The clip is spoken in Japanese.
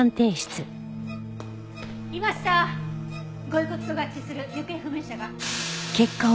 ご遺骨と合致する行方不明者が。